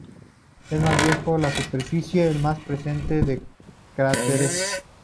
El más viejo la superficie, el más presente de cráteres.